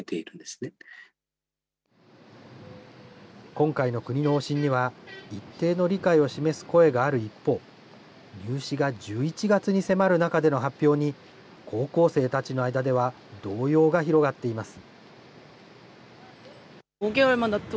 今回の国の方針には、一定の理解を示す声がある一方、入試が１１月に迫る中での発表に、高校生たちの間では動揺が広がっています。